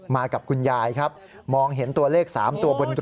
มากับคุณยายครับ